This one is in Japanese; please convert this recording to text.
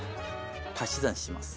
足し算します。